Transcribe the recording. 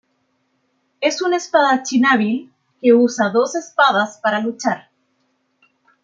Es un espadachín hábil que usa dos espadas para luchar.